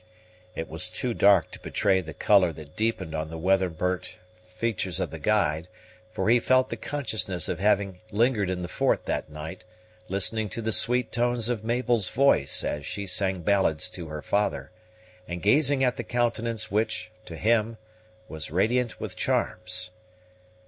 It was too dark to betray the color that deepened on the weather burnt features of the guide; for he felt the consciousness of having lingered in the fort that night, listening to the sweet tones of Mabel's voice as she sang ballads to her father, and gazing at the countenance which, to him, was radiant with charms.